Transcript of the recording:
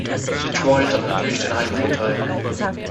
Detroit hat natürlich den Heimvorteil.